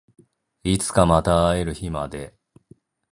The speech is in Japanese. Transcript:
いつかまた会える日まで